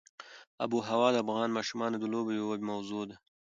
آب وهوا د افغان ماشومانو د لوبو یوه موضوع ده.